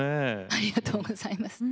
ありがとうございます。